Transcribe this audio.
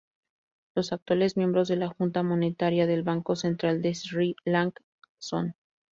Los actuales miembros de la Junta Monetaria del Banco Central de Sri Lanka son